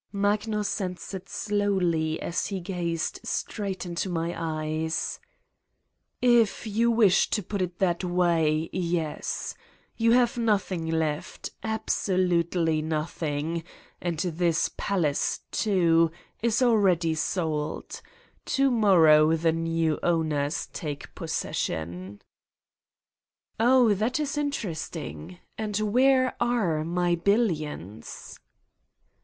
Magnus answered slowly as he gazed straight into my eyes : "If you wish to put it that way yes. You have nothing left. Absolutely nothing. And this pal ace, too, is already sold. To morrow the new owners take possession." "Oh, that is interesting. And where are my billions?"